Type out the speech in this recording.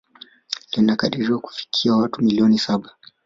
Linakadiriwa kufikia watu milioni saba